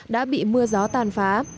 đã bị mưa gió tàn phá